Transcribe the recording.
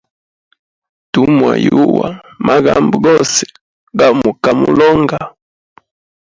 Tumwayuwa magambo gose gamukamulonga.